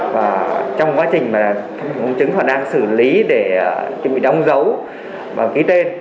và trong quá trình mà công chứng họ đang xử lý để chuẩn bị đóng dấu và ký tên